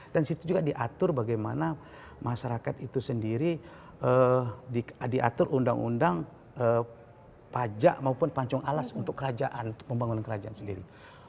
dan di situ juga diatur bagaimana masyarakat itu sendiri diatur undang undang pajak maupun pancung alas untuk kerajaan pembangunan kerajaan sendiri